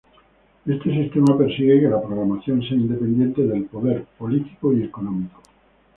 Este sistema persigue que la programación sea independiente del poder político y económico.